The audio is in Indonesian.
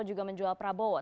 juga menjual prabowo